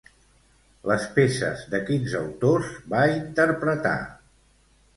Les peces de quins autors va interpretar?